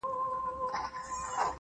تشه لاسه ته مي دښمن یې -